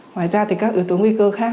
ngoài ra thì các yếu tố nguy cơ khác